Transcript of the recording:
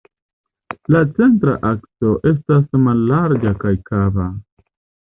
La centra akso estas mallarĝa kaj kava.